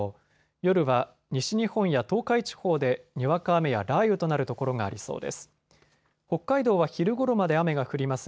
夜は西日本や東海地方でにわか雨や雷雨となる所がありそうです。